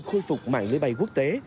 khôi phục mạng lưới bay quốc tế